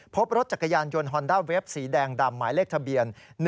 พบรถจักรยานยนต์ฮอนด้าเวฟสีแดงดำหมายเลขทะเบียน